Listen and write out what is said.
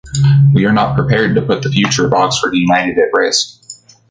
We are not prepared to put the future of Oxford United at risk.